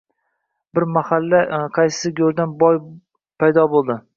Bir mahal qaysi go‘rdan boy paydo bo‘ldi.